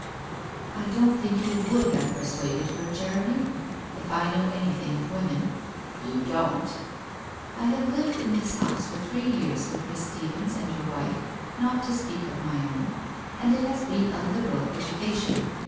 '' I don't think you would have persuaded her, Jeremy. If I know anything of women ' 1 You don't.' 1 I have lived in this house for three years with Miss Stephens and your wife, not to speak of my own, and it lias been a liberal education.